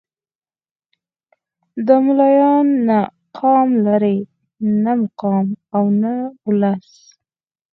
دا ملايان نه قام لري نه مقام او نه ولس.